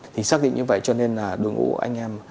thì xác định như vậy cho nên là đội ngũ anh em